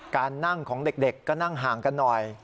การนั่งของเด็กก็นั่งห่างกันหน่อย